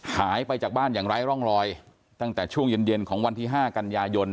หายไปจากบ้านอย่างไร้ร่องรอยตั้งแต่ช่วงเย็นของวันที่๕กันยายน